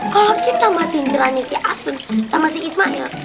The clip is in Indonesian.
kalau kita matiin kerannya si asun sama si ismail